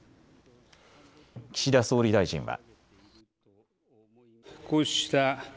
岸田総理大臣は。